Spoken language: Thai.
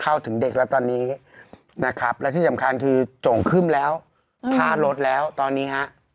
ถึงเด็กแล้วตอนนี้นะครับและที่สำคัญคือโจ่งขึ้นแล้วค่ารถแล้วตอนนี้ฮะ